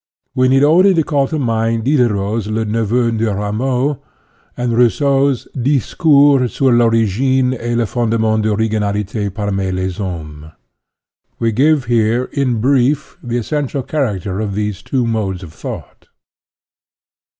We need only call to mind Diderot's " Le Neveu de Rameau," and Rousseau's " Dis cours sur 1'origine et les fondements de rinegalite parmi les hommes." We give here, in brief, the essential character of these two modes of thought.